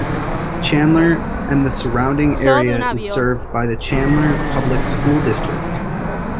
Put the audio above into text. Chandler and the surrounding area is served by the Chandler Public School District.